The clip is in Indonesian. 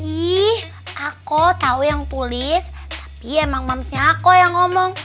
ih aku tahu yang tulis tapi emang manusia aku yang ngomong